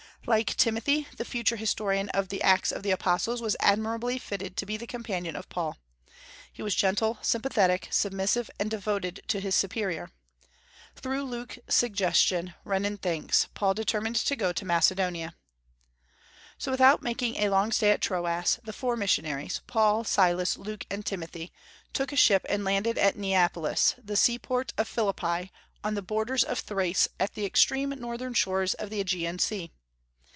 Like Timothy, the future historian of the Acts of the Apostles was admirably fitted to be the companion of Paul. He was gentle, sympathetic, submissive, and devoted to his superior. Through Luke's suggestion, Renan thinks, Paul determined to go to Macedonia. So, without making a long stay at Troas, the four missionaries Paul, Silas, Luke, and Timothy took ship and landed at Neapolis, the seaport of Philippi on the borders of Thrace at the extreme northern shores of the Aegean Sea.